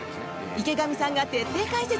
池上さんが徹底解説。